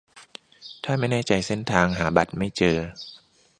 ถ้าไม่แน่ใจเส้นทาง หาบัตรไม่เจอ